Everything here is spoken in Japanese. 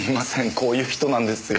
こういう人なんですよ。